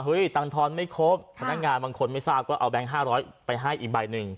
ตังค์ทอนไม่ครบพนักงานบางคนไม่ทราบก็เอาแก๊ง๕๐๐ไปให้อีกใบหนึ่ง